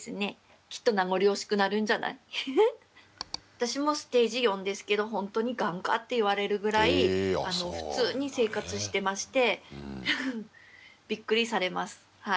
私もステージ４ですけど「ほんとにがんか？」って言われるぐらい普通に生活してましてびっくりされます。